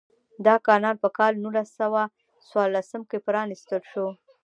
دا کانال په کال نولس سوه څوارلسم کې پرانیستل شو.